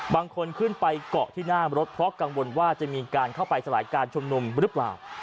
บางคนขึ้นไปเกาะที่หน้ารถเพราะกังวลว่าจะมีการเข้าไปสลายการชุมนุมหรือเปล่า